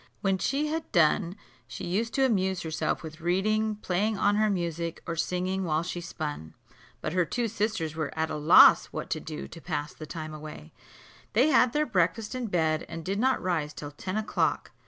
When she had done, she used to amuse herself with reading, playing on her music, or singing while she spun. But her two sisters were at a loss what to do to pass the time away: they had their breakfast in bed, and did not rise till ten o'clock.